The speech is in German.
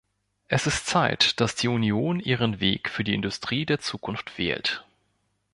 Es ist Zeit, dass die Union ihren Weg für die Industrie der Zukunft wählt.